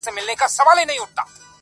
زه دي سر تر نوکه ستا بلا ګردان سم-